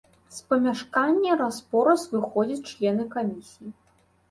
З памяшкання раз-пораз выходзяць члены камісіі.